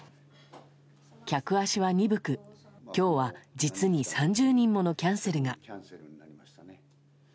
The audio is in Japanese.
客足は鈍く、今日は実に３０人ものキャンセルが。